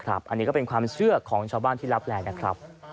อันนี้ก็เป็นความเชื่อของชาวบ้านที่รับแรงนะครับ